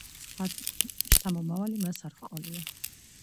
სხვა შთამომავალი მას არ ჰყოლია.